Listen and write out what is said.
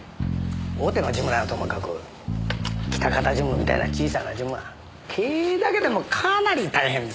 大手のジムならともかく喜多方ジムみたいな小さなジムは経営だけでもかなり大変ですからね。